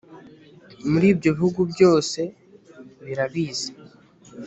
muri ibyo bihugu byose birabizi